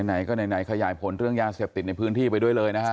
ไหนก็ไหนขยายผลเรื่องยาเสพติดในพื้นที่ไปด้วยเลยนะฮะ